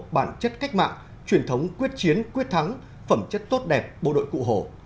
bản chất cách mạng truyền thống quyết chiến quyết thắng phẩm chất tốt đẹp bộ đội cụ hồ